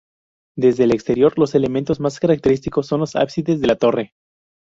Desde el exterior, los elementos más característicos son los ábsides y la torre.